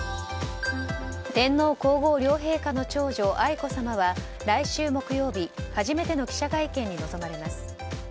天皇・皇后両陛下の長女愛子さまは来週木曜日初めての記者会見に臨まれます。